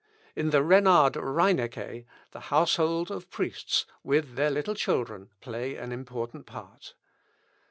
In the "Renard Reinecke," the households of priests, with their little children, play an important part.